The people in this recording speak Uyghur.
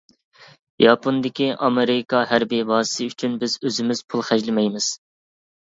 ياپوندىكى ئامېرىكا ھەربىي بازىسى ئۈچۈن بىز ئۆزىمىز پۇل خەجلىمەيمىز.